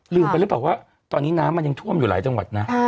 ลืมไปแล้วบอกว่าตอนนี้น้ำมันยังท่วมอยู่หลายจังหวัดนะ